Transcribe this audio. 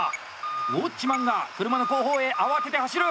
ウォッチマンが車の後方へ慌てて走る！